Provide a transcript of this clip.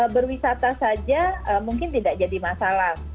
berwisata saja mungkin tidak jadi masalah